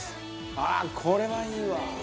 「ああーこれはいいわ！」